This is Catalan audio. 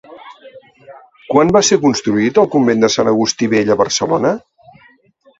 Quan va ser construït el Convent de Sant Agustí Vell a Barcelona?